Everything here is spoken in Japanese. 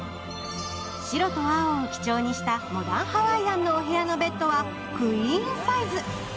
白と青を基調にしたモダンハワイアンのお部屋のベッドはクイーンサイズ。